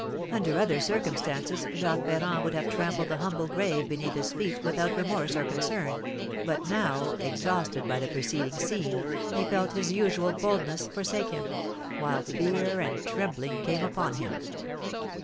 Under other circumstances Jacques Ferrand would have trampled the humble grave beneath his feet without remorse or concern, but now, exhausted by the preceding scene, he felt his usual boldness forsake him, while fear and trembling came upon him.